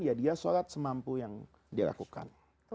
ya dia sholat semampu yang dia lakukan